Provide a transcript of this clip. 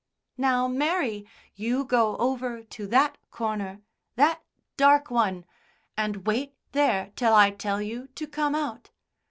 "Now, Mary, you go over to that corner that dark one and wait there till I tell you to come out.